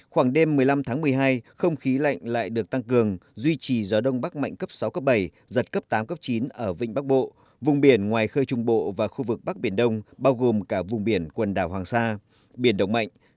khoảng đêm một mươi năm tháng một mươi hai không khí lạnh lại được tăng cường duy trì gió đông bắc mạnh cấp sáu cấp bảy giật cấp tám cấp chín ở vịnh bắc bộ vùng biển ngoài khơi trung bộ và khu vực bắc biển đông bao gồm cả vùng biển quần đảo hoàng sa biển động mạnh